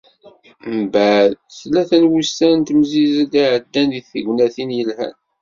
Mbeɛd tlata n wussan n temsizzelt i iɛeddan deg tegnatin yelhan.